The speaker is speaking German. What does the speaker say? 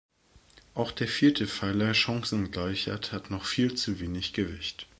Auch der vierte Pfeiler Chancengleichheit hat noch viel zu wenig Gewicht.